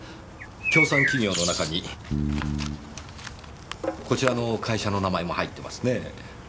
協賛企業の中にこちらの会社の名前も入ってますねぇ。